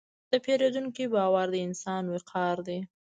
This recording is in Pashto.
د پیرودونکي باور د انسان وقار دی.